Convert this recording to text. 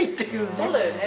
そうだよね。